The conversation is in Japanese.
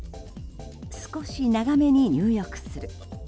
少し長めに入浴する。